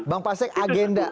bang pak sek agenda oke